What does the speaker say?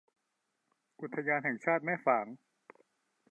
อุทยานแห่งชาติแม่ฝาง